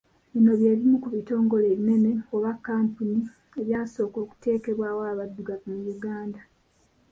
Bino bye bimu ku bitongole ebinene oba kkampuni ebyasooka okuteekebwawo abaddugavu mu Uganda